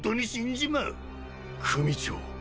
組長。